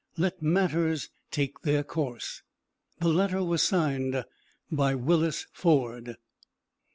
Let matters take their course." The letter was signed by Willis Ford.